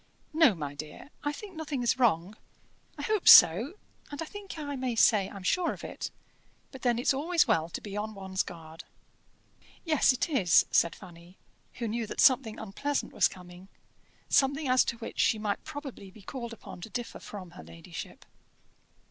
"No, my dear, I think nothing is wrong: I hope so, and I think I may say I'm sure of it; but then it's always well to be on one's guard." "Yes, it is," said Fanny, who knew that something unpleasant was coming something as to which she might probably be called upon to differ from her ladyship.